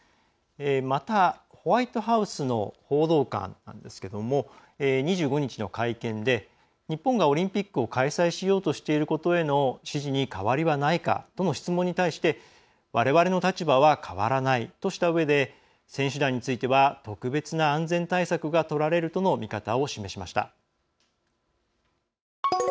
また、ホワイトハウスの報道官なんですが２５日の会見で、日本がオリンピックを開催しようとしていることへの支持に変わりはないかとの質問に対してわれわれの立場は変わらないとしたうえで選手団については特別な安全対策がとられるとの見方が示されました。